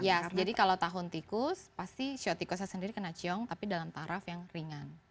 ya jadi kalau tahun tikus pasti siotikusnya sendiri kena ciong tapi dalam taraf yang ringan